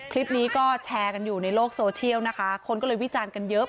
คลิปนี้ก็แชร์กันอยู่ในโลกโซเชียลนะคะคนก็เลยวิจารณ์กันเยอะ